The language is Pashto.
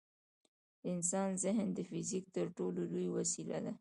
د انسان ذهن د فزیک تر ټولو لوی وسیله ده.